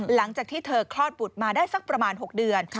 หลังจากที่เธอคลอดบุตรมาได้สักประมาณ๖เดือน